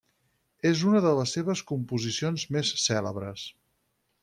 És una de les seves composicions més cèlebres.